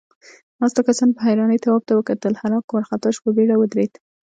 ناستو کسانوپه حيرانۍ تواب ته وکتل، هلک وارخطا شو، په بيړه ودرېد.